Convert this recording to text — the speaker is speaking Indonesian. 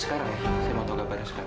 sekarang ya saya mau tahu kabarnya sekarang